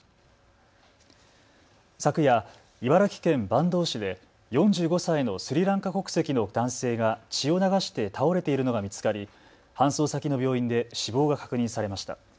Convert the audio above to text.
昨夜、茨城県坂東市で４５歳のスリランカ国籍の男性が血を流して倒れているのが見つかり、搬送先の病院で死亡が確認されました。